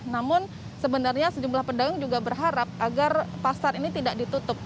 namun sebenarnya sejumlah pedagang juga berharap agar pasar ini tidak ditutup